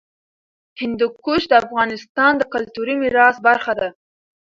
هندوکش د افغانستان د کلتوري میراث برخه ده.